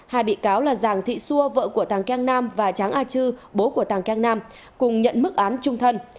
hai bị cáo là giàng thị xua vợ của thàng keng nam và tráng a chư bố của tàng cang nam cùng nhận mức án trung thân